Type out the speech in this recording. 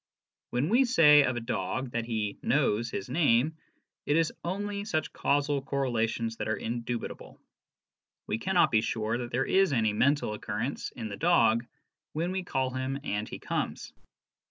When we say of a dog that he " knows " his name, it is only such causal correlations that are indubitable : we cannot be sure that there is any " mental " occurrence in the dog when we call him and he comes.